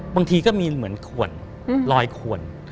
บางทีก็มีเหมือนขวนรอยขวน